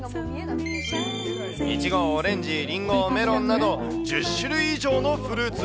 いちご、オレンジ、りんご、メロンなど、１０種類以上のフルーツ。